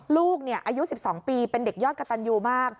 ลูกอายุ๑๒ปีเป็นเด็กยอดกระตันยูมาก